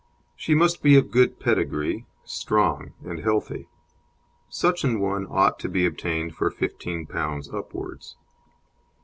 She must be of good pedigree, strong, and healthy; such an one ought to be obtained for P15 upwards.